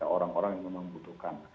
orang orang yang memang membutuhkan